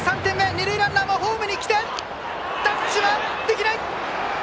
二塁ランナーもホームに来てタッチはできない！